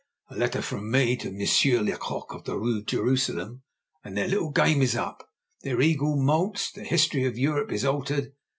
A letter from me to M. Lecoq, of the Rue Jerusalem, and their little game is up, their eagle moults, the history of Europe is altered.